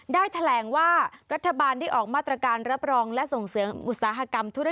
ได้แถลงว่ารัฐบาลได้ออกมาตรการรับรองและส่งเสริมอุตสาหกรรมธุร